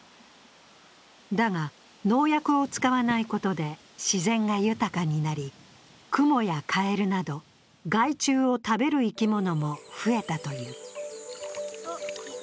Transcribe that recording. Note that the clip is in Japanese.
だが、農薬を使わないことで自然が豊かになり、クモやカエルなど害虫を食べる生き物も増えたという。